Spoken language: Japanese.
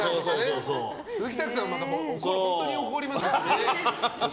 鈴木拓さんは本当に怒りますからね。